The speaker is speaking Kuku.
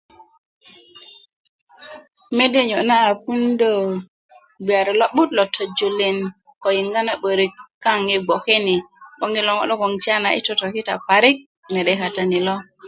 mede niyo' na puundö gbiyari o'but lo tojulin ko yiŋga na 'börik kaaŋ yi gbokeni 'boŋ yiloba ŋo' logoŋ yi totokita parik mede kata ni lo